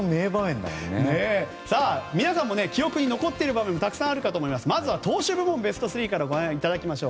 皆さんも記憶に残っている場面もたくさんあると思いますがまずは投手部門からご覧いただきましょう。